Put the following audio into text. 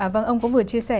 vâng ông cũng vừa chia sẻ